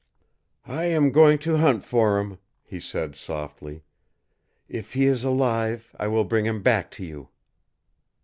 "I am going to hunt for him," he said softly. "If he is alive, I will bring him back to you."